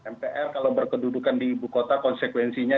mpr kalau berkedudukan di ibu kota konsekuensinya